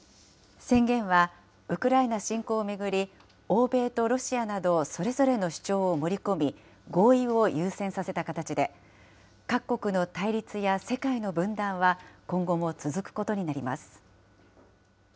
宣言はウクライナ侵攻を巡り、欧米とロシアなどそれぞれの主張を盛り込み、合意を優先させた形で、各国の対立や世界の分断は、今後も続くことになります。